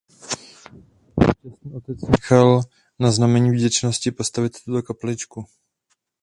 Šťastný otec nechal na znamení vděčnosti postavit tuto kapličku.